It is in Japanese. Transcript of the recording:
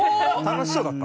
楽しそうだった。